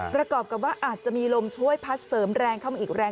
ประกอบกับว่าอาจจะมีลมช่วยพัดเสริมแรงเข้ามาอีกแรง